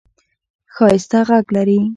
ښایسته ږغ لرې !